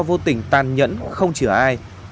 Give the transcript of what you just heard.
vô tình tàn nhẫn không chữa ai